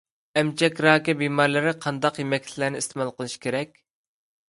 ئەمچەك راكى بىمارلىرى قانداق يېمەكلىكلەرنى ئىستېمال قىلىشى كېرەك؟